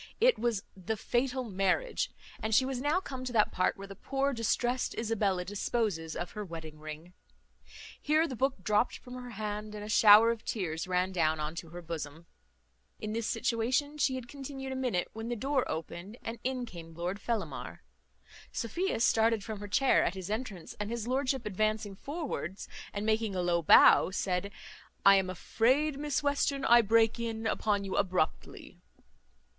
It was the Fatal Marriage; and she was now come to that part where the poor distrest Isabella disposes of her wedding ring. Here the book dropt from her hand, and a shower of tears ran down into her bosom. In this situation she had continued a minute, when the door opened, and in came Lord Fellamar. Sophia started from her chair at his entrance; and his lordship advancing forwards, and making a low bow, said, "I am afraid, Miss Western, I break in upon you abruptly."